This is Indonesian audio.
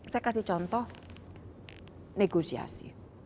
saya kasih contoh negosiasi